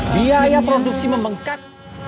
biaya produksi memengkat